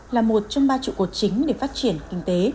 là một trong ba trụ cột chính để phát triển kinh tế